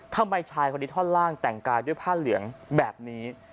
ชายคนนี้ท่อนล่างแต่งกายด้วยผ้าเหลืองแบบนี้